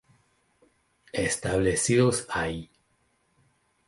Establecidos ahí.